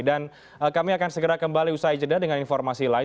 dan kami akan segera kembali usai jeda dengan informasi lain